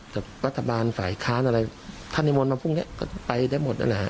จากฤษฐบาลฝ่ายค้านอะไรท่านอิมมันมัอฟุงไนะก็ไปได้หมดนะฮะ